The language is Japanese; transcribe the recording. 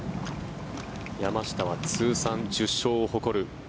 山下は通算１０勝を誇る。